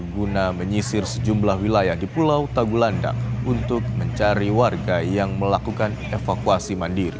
guna menyisir sejumlah wilayah di pulau tagulandang untuk mencari warga yang melakukan evakuasi mandiri